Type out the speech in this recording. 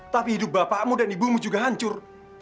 tapi hidup bapakmu dan ibumu juga hancur